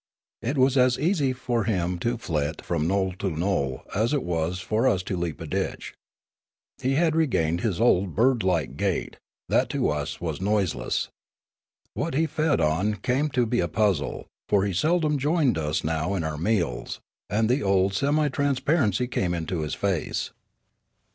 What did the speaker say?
It was as easy for him to flit from knoll to knoll as it was for us to leap a ditch. He had regained his old bird like gait, that to us was noiseless. What he fed on came to be a puzzle, for he seldom joined us now in our meals; and the old semi transparency came into his face.